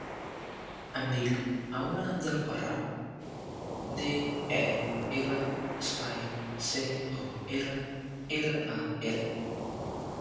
Em dic Aura Del Corral: de, e, ela, espai, ce, o, erra, erra, a, ela.